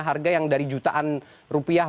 harga yang dari jutaan rupiah